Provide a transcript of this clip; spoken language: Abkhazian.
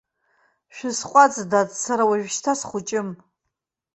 Шәысҟәаҵ, дад, сара уажәшьҭа схәыҷым.